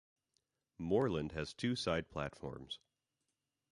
Moreland has two side platforms.